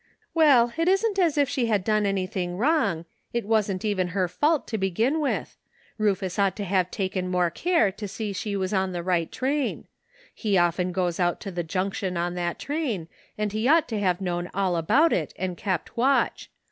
Well, it isn't as if she had done anything wrong; it wasn't even her fault, to begin with ; Rufus ought to have taken more care to see she was on the right train ; he often goes out to the Junction on that train, and he ought to have known all about it and kept watch.